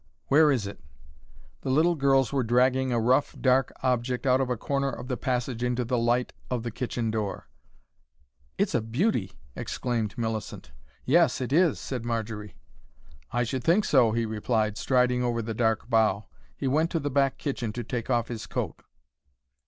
"Where is it?" The little girls were dragging a rough, dark object out of a corner of the passage into the light of the kitchen door. "It's a beauty!" exclaimed Millicent. "Yes, it is," said Marjory. "I should think so," he replied, striding over the dark bough. He went to the back kitchen to take off his coat.